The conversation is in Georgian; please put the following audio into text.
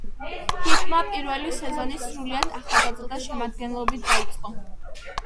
ჰიტმა პირველი სეზონი სრულიად ახალგაზრდა შემადგენლობით დაიწყო.